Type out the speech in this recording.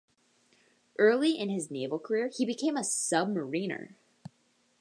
Early in his naval career he became a submariner.